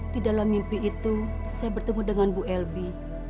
di dalam mimpi itu saya bertemu dengan bu elbi